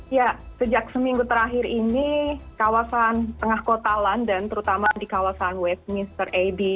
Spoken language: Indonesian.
ya sejak seminggu terakhir ini kawasan tengah kota london terutama di kawasan westminster aby